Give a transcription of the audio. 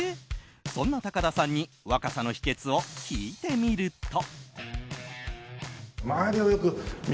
そんな高田さんに若さの秘訣を聞いてみると。